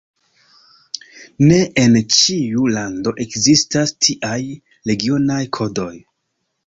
Ne en ĉiu lando ekzistas tiaj regionaj kodoj.